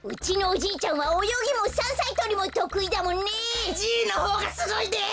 じいのほうがすごいです。